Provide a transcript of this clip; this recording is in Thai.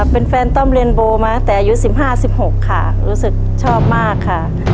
เป็นแฟนต้มเรนโบมาตั้งแต่อายุสิบห้าสิบหกค่ะรู้สึกชอบมากค่ะ